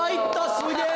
すげえ！